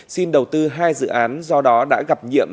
xin đầu tư hai dự án do đó đã gặp nhiệm